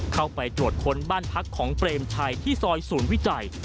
เข้าไปตรวจค้นบ้านพักของเปรมชัยที่ซอยศูนย์วิจัย